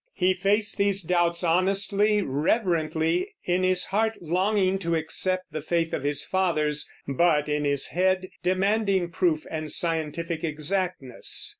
He faced these doubts honestly, reverently, in his heart longing to accept the faith of his fathers, but in his head demanding proof and scientific exactness.